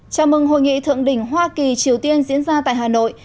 chào mừng hội nghị thượng đỉnh hoa kỳ triều tiên diễn ra tại hà nội